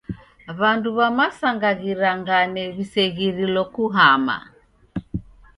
W'andu w'a masanga ghirangane w'iseghirilo kuhama.